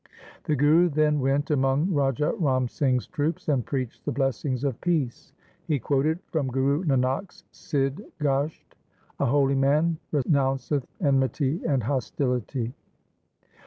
The Guru then went among Raja Ram Singh's troops, and preached the blessings of peace. He quoted from Guru Nanak's ' Sidh Gosht ':— A holy man renounceth enmity and hostility.